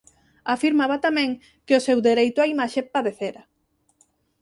Afirmaba tamén que o seu dereito á imaxe padecera.